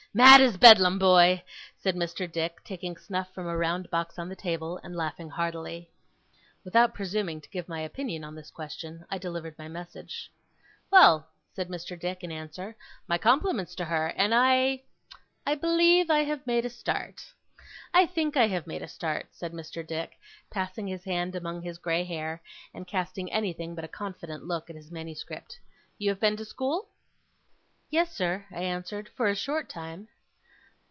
Mad as Bedlam, boy!' said Mr. Dick, taking snuff from a round box on the table, and laughing heartily. Without presuming to give my opinion on this question, I delivered my message. 'Well,' said Mr. Dick, in answer, 'my compliments to her, and I I believe I have made a start. I think I have made a start,' said Mr. Dick, passing his hand among his grey hair, and casting anything but a confident look at his manuscript. 'You have been to school?' 'Yes, sir,' I answered; 'for a short time.